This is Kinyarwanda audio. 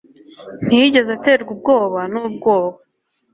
Ntiyigeze aterwa ubwoba nubwoba